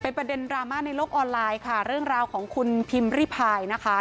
เป็นประเด็นดราม่าในโลกออนไลน์ค่ะเรื่องราวของคุณพิมพ์ริพายนะคะ